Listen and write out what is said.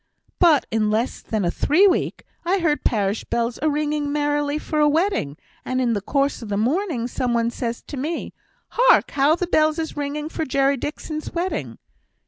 But in less than a three week, I heard parish bells a ringing merrily for a wedding; and in the course of a morning, some one says to me, 'Hark! how the bells is ringing for Jerry Dixon's wedding!'